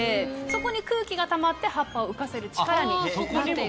そこに空気がたまって葉っぱを浮かせる力になっているそうです。